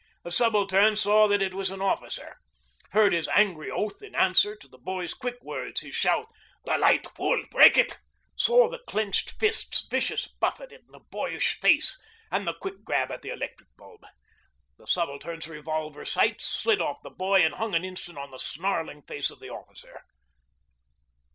The Subaltern saw that it was an officer, heard his angry oath in answer to the boy's quick words, his shout, 'The light, fool break it'; saw the clenched fist's vicious buffet in the boyish face and the quick grab at the electric bulb. The Subaltern's revolver sights slid off the boy and hung an instant on the snarling face of the officer.